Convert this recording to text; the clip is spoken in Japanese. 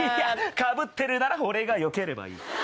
かぶってるならよければいい。